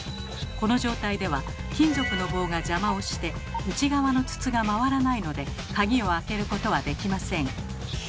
この状態では金属の棒が邪魔をして内側の筒が回らないので鍵を開けることはできません。